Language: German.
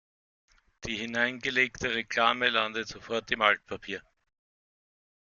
Die hineingelegte Reklame landet sofort im Altpapier.